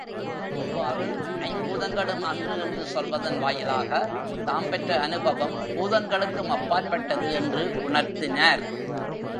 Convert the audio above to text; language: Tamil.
இவ்வாறு ஐம்பூதங்களும் அன்று என்று சொல்வதன் வாயிலாகத் தாம் பெற்ற அநுபவம் பூதங்களுக்கும் அப்பாற் பட்டது என்று உணர்த்தினார்.